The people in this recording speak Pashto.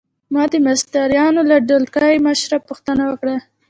ما د مستریانو له ډلګۍ مشره پوښتنه وکړه.